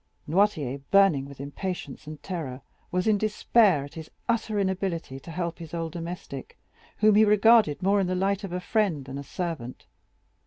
Noirtier, burning with impatience and terror, was in despair at his utter inability to help his old domestic, whom he regarded more in the light of a friend than a servant.